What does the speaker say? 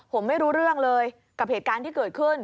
ผมไม่รู้เรื่องเลยกับเหตุการณ์ที่เกิดขึ้น